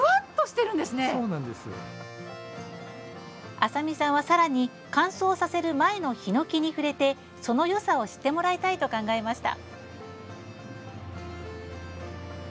浅見さんは、さらに乾燥させる前のひのきに触れてそのよさを知ってもらいたいと考えました。